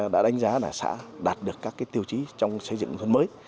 đã đánh giá là xã đạt được các tiêu chí trong xây dựng nông thôn mới